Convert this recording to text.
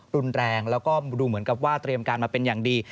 รุนแรงและดูเหมือนกับว่าแล้วแบบเป็นอย่างดี